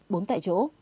bốn tại chỗ